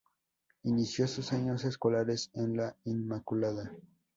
Inició sus años escolares en La Inmaculada.